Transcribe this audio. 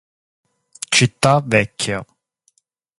Città vecchia.